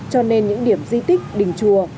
cho nên những điểm di tích đỉnh chùa